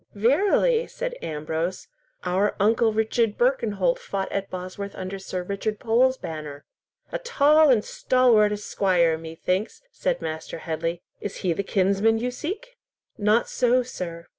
"Verily," said Ambrose, "our uncle Richard Birkenholt fought at Bosworth under Sir Richard Pole's banner." "A tall and stalwart esquire, methinks," said Master Headley. "Is he the kinsman you seek?" "Not so, sir.